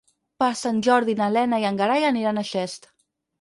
Per Sant Jordi na Lena i en Gerai aniran a Xest.